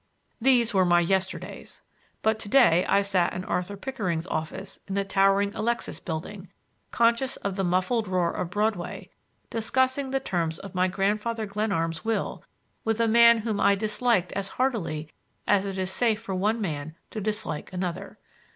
These were my yesterdays; but to day I sat in Arthur Pickering's office in the towering Alexis Building, conscious of the muffled roar of Broadway, discussing the terms of my Grandfather Glenarm's will with a man whom I disliked as heartily as it is safe for one man to dislike another.